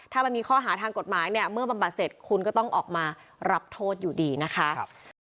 ถ้ามันมีข้อหาทางกฎหมายเนี่ยเมื่อบำบัดเสร็จคุณก็ต้องออกมารับโทษอยู่ดีนะคะ